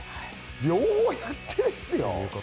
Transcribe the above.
両方やってですよ？